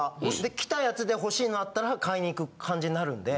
来たやつで欲しいのあったら買いに行く感じになるんで。